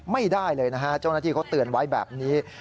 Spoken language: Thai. ไม่ได้เลยนะฮะเจ้าหน้าที่เขาเตือนไว้แบบนี้